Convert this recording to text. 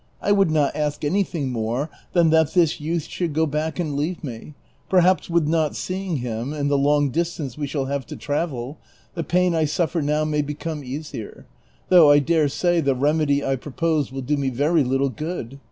I would not ask anything more than that this youth should go back and leave me ; perhaps Avith not seeing him, and the long distance we shall have to travel, the pain I suffer now may become easier ; though I dare say the remedy I propose will do me very little good.